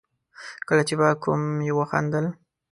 کله چې به کوم يوه وخندل.